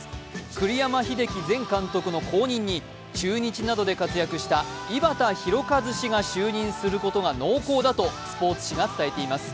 栗山英樹前監督の後任に中日などで活躍した井端弘和氏が就任することが濃厚だとスポーツ紙が伝えています。